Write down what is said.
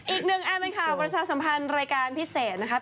อีกหนึ่งแอบเป็นข่าววันชาติสัมพันธ์รายการพิเศษนะครับ